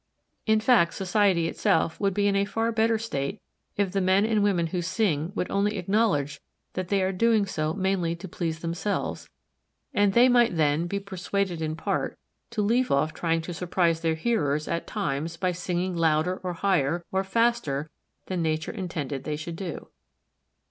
In fact, society itself would be in a far better state if the men and women who sing would only acknowledge that they are doing so mainly to please themselves, and they might then be persuaded in part to leave off trying to surprise their hearers at times by singing louder or higher or faster than nature intended they should do.